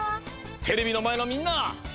テレビのまえのみんな！